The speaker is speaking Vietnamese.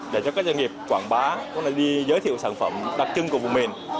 để cho các doanh nghiệp quảng bá giới thiệu sản phẩm đặc trưng của vùng mình